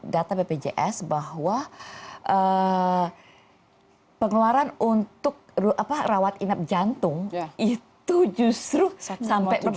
data bpjs bahwa pengeluaran untuk rawat inap jantung itu justru sampai tujuh belas